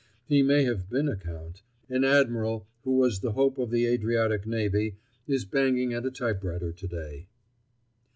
He may have been a Count. An Admiral, who was the hope of the Adriatic navy, is banging at a typewriter today.